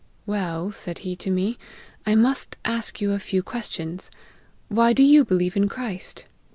* Well,' said he to me, * I must ask you a few questions. Why do you believe in Christ?'